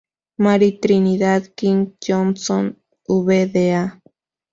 María Trinidad King Johnson Vda.